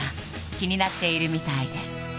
気になっているみたいです